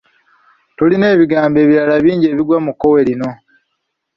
Tulina n'ebigambo ebirala bingi ebigwa mu kkowe lino.